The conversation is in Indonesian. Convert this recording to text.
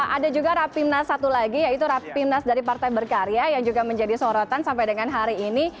ada juga rapimnas satu lagi yaitu rapimnas dari partai berkarya yang juga menjadi sorotan sampai dengan hari ini